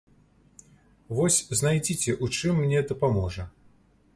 Вось знайдзіце, у чым мне дапаможа.